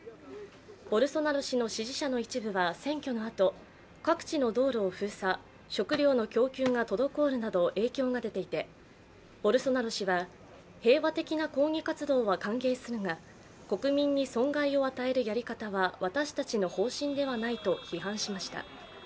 ボルソナロ氏の支持者の一部は選挙のあと各地の道路を封鎖、食料の供給が滞るなど影響が出ていて、ボルソナロ氏は平和的な抗議活動は歓迎するが国民に損害を与えるやり方は私たちの方針ではないと批判しました。